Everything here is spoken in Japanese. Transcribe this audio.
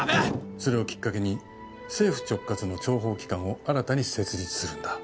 それをきっかけに政府直轄の諜報機関を新たに設立するんだ。